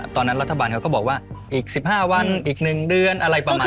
ตอนนั้นรัฐบาลเขาก็บอกว่าอีก๑๕วันอีก๑เดือนอะไรประมาณ